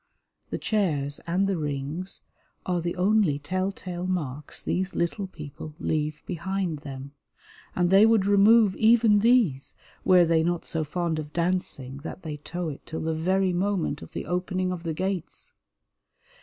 The chairs and the rings are the only tell tale marks these little people leave behind them, and they would remove even these were they not so fond of dancing that they toe it till the very moment of the opening of the gates.